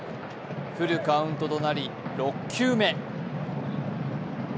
フルカウントとなり６球目。